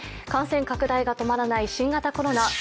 感染拡大が止まらない新型コロナ。